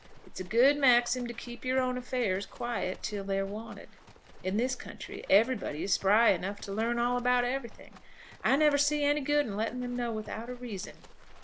It's a good maxim to keep your own affairs quiet till they're wanted. In this country everybody is spry enough to learn all about everything. I never see any good in letting them know without a reason.